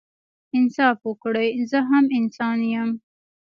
انصاف وکړئ زه هم انسان يم